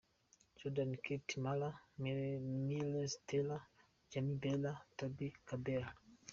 Jordan , Kate Mara , Miles Teller , Jamie Bell, Toby Kebbell.